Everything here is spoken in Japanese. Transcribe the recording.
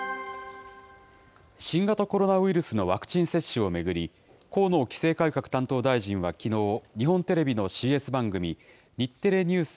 新型コロナウイルスのワクチン接種を巡り、河野規制改革担当大臣はきのう、日本テレビのＣＳ番組、日テレＮＥＷＳ